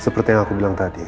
seperti yang aku bilang tadi